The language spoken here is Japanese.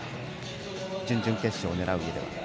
準々決勝を狙う意味では。